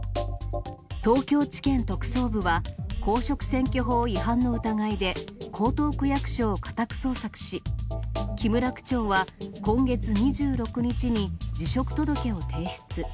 東京地検特捜部は、公職選挙法違反の疑いで、江東区役所を家宅捜索し、木村区長は今月２６日に、辞職届を提出。